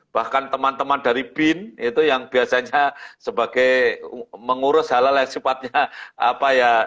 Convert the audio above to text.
bahkan teman teman dari bin itu yang biasanya sebagai mengurus hal hal yang sifatnya apa ya